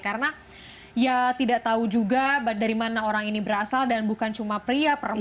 karena ya tidak tahu juga dari mana orang ini berasal dan bukan cuma pria perempuan pun